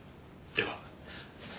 では。